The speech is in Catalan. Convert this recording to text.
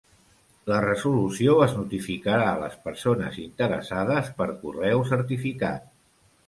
La resolució es notificarà a les persones interessades per correu certificat.